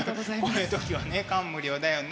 こういう時はね感無量だよね。